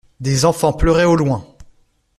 Des enfants pleuraient au loin.